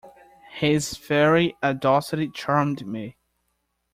His very audacity charmed me.